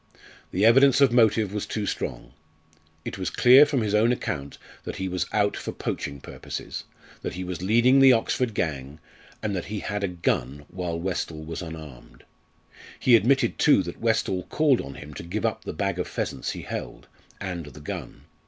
The evidence of motive was too strong. It was clear from his own account that he was out for poaching purposes, that he was leading the Oxford gang, and that he had a gun while Westall was unarmed. He admitted too that Westall called on him to give up the bag of pheasants he held, and the gun.